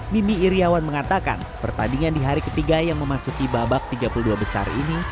mimi iryawan mengatakan pertandingan di hari ketiga yang memasuki babak tiga puluh dua besar ini